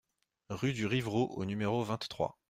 Rue du Rivraud au numéro vingt-trois